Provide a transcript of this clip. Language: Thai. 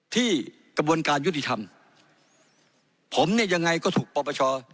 กระบวนการยุติธรรมผมเนี่ยยังไงก็ถูกปรปช